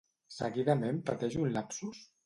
Seguidament pateix un lapsus?